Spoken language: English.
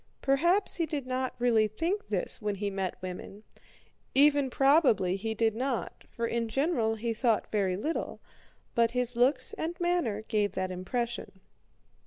Perhaps he did not really think this when he met women—even probably he did not, for in general he thought very little—but his looks and manner gave that impression.